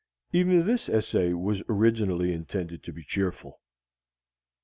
Even this essay was originally intended to be cheerful.